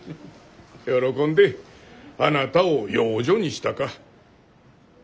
喜んであなたを養女にしたか。